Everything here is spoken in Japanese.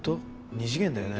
二次元だよね？